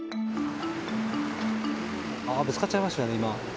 ぶつかっちゃいましたね、今。